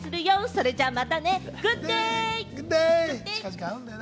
それじゃまたね、グッデイ！